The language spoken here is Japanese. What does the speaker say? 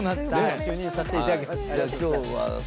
就任させていただきました。